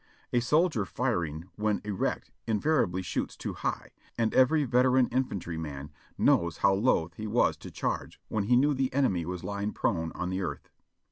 A soldier firing, when erect, invariably shoots too high, and every veteran infantryman knows how loath he was to charge when he knew the enemy was lying prone on the earth.